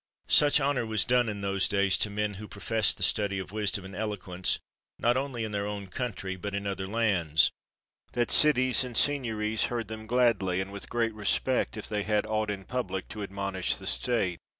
Such honor was done in those days to men who professed the study of wisdom and eloquence, not only in their own country, but in other lands, that cities and signiories heard them gladly, and with great respect, if they had aught in public to admonish the state.